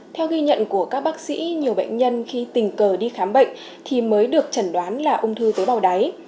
theo ghi nhận của các bác sĩ nhiều bệnh nhân khi tình cờ đi khám bệnh thì mới được chẩn đoán là ung thư với bào đáy